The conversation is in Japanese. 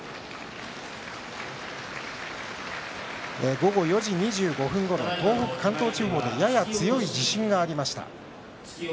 午後４時２５分ごろ東北、関東地方でやや強い地震がありました。